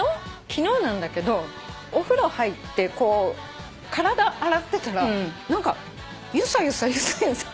昨日なんだけどお風呂入ってこう体洗ってたら何かゆさゆさゆさゆさ。